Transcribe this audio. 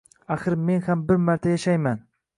Axir men ham bir marta yashayman